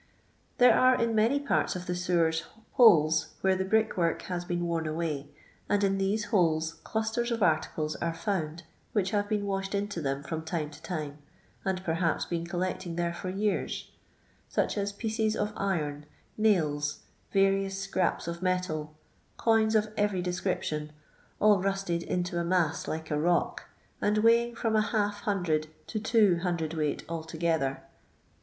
There E 8 162 LONDON LABOUR AND THE l6nD0N POOR, •re in many parti of the lewerB holes where the brick work baa been worn away, and in these hoIe« cluaten of articles aro foun4f wliich have been washed into them from time to time, and i>erhaps been collecting there for years ; such as pieces of iron, nails, Tarious scraps of metal, coins of every descriptioo, all rusted into a mass like a rock, and weighing from a half hundred to two hundred weight altogether.